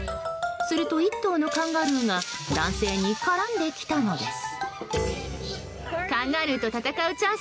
すると、１頭のカンガルーが男性に絡んできたのです。